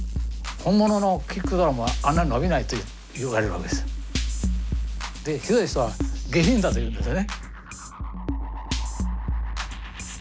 本物のキックドラムはあんな伸びないと言われるわけです。でひどい人は「下品だ」と言うんですね。